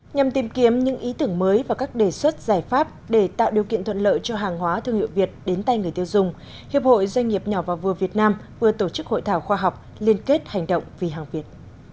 nhằm tìm kiếm những ý tưởng mới và các đề xuất giải pháp để tạo điều kiện thuận lợi cho hàng hóa thương hiệu việt đến tay người tiêu dùng hiệp hội doanh nghiệp nhỏ và vừa việt nam vừa tổ chức hội thảo khoa học liên kết hành động vì hàng việt